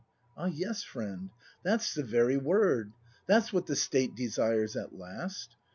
Ah yes, friend, that's the very word! That's what the State desires at last!